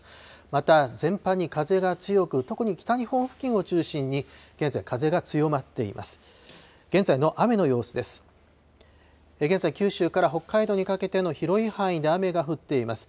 また、全般に風が強く、特に北日本付近を中心に、現在、風が強まっています。